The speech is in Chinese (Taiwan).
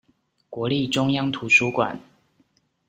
國立中央圖書館